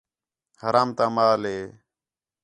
حرام تا مال ہِے